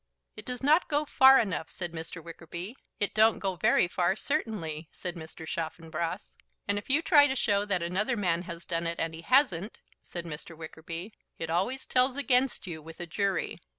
"It does not go far enough," said Mr. Wickerby. "It don't go very far, certainly," said Mr. Chaffanbrass. "And if you try to show that another man has done it, and he hasn't," said Mr. Wickerby, "it always tells against you with a jury."